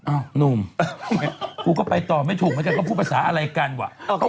หนุ่มกูก็ไปต่อไม่ถูกเหมือนกันเขาพูดภาษาอะไรกันว่ะ